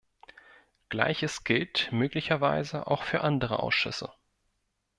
Gleiches gilt möglicherweise auch für andere Ausschüsse.